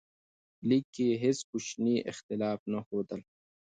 لیک کې یې هیڅ کوچنی اختلاف نه ښودل.